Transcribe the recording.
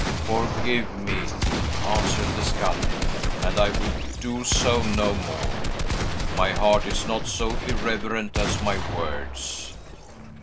"Forgive me," answered the sculptor, "and I will do so no more. My heart is not so irreverent as my words."